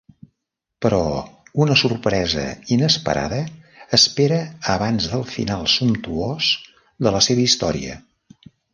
Però una sorpresa inesperada espera abans del final sumptuós de la seva història.